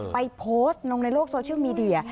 ไปโพสต์ลงในโลกโซเชียลมีเดีย